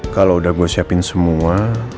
kalau udah gue siapin semua